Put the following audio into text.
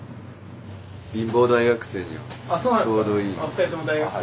２人とも大学生？